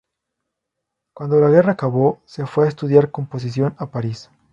Cuando la guerra acabó, se fue a estudiar composición a París.